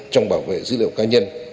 trong bảo vệ dữ liệu cá nhân